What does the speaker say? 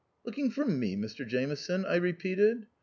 " Looking for me, Mr Jameson," I re peated.